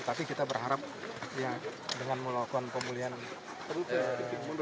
tapi kita berharap ya dengan melakukan pemulihan kesehatan yang bersama